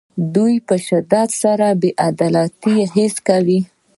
دوی په شدت سره د بې عدالتۍ احساس کوي.